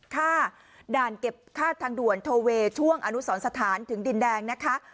ค่าด่านเก็บค่าทางด่วนโทเวย์ช่วงอนุสรสถานถึงดินแดงนะคะ